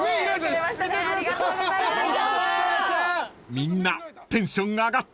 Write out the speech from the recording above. ［みんなテンション上がってます］